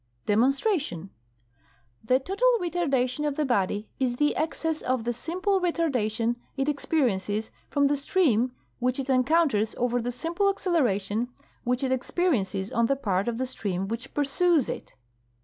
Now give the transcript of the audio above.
Demonstration: The total retardation of the body is the excess of the simple retardation it experiences from the stream which it encoun ters over the simple acceleration which it experiences on the part of the stream which pursues it.